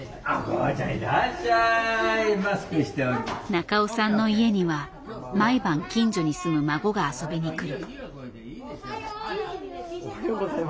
中尾さんの家には毎晩近所に住む孫が遊びに来る。